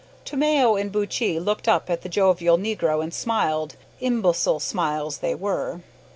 Tomeo and Buttchee looked up at the jovial negro and smiled imbecile smiles they were.